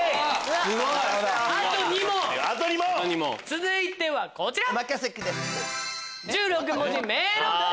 続いてはこちら。